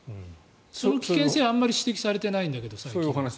その危険性はあまり指摘されてないんだけど、最近。